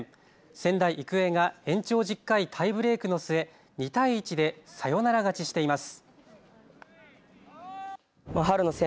仙台育英が延長１０回タイブレークの末、２対１でサヨナラ勝ちしています。